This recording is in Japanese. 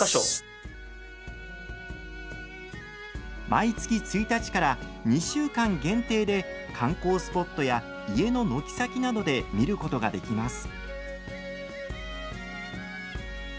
毎月１日から２週間限定で観光スポットや家の軒先などで見ることができます。